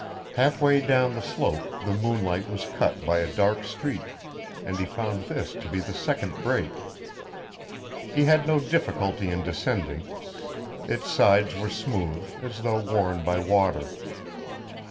Half way down the slope the moonlight was cut by a dark streak, and he found this to be the second break. He had no difficulty in descending. Its sides were smooth, as though worn by water.